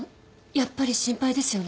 やっぱり心配ですよね？